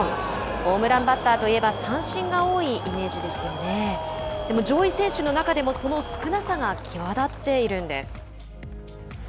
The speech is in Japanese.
ホームランバッターといえば三振が多いイメージですが上位選手の中でもその少なさが際立っています。